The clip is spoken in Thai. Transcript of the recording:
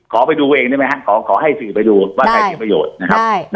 ขอไปดูเองได้ไหมฮะขอให้สื่อไปดูว่าใครเป็นประโยชน์นะครับ